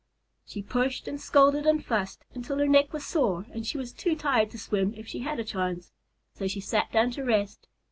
She pushed and scolded and fussed until her neck was sore and she was too tired to swim if she had a chance, so she sat down to rest.